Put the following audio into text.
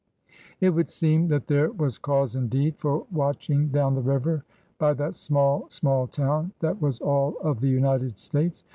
It would seem that there was cause indeed for watching down the river by that small, small town that was all of the United States!